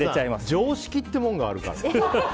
常識ってものがあるから。